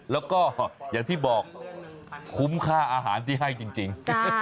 แล้วก็อย่างที่บอกคุ้มค่าอาหารที่ให้จริง